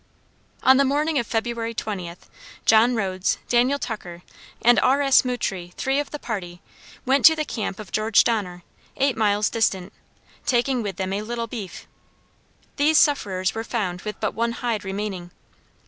On the morning of February 20th John Rhodes, Daniel Tucker, and R. S. Mootrey, three of the party, went to the camp of George Donner, eight miles distant, taking with them a little beef. These sufferers were found with but one hide remaining.